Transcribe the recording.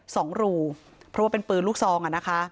สองหรูเพราะว่าเป็นปืนลูกซอง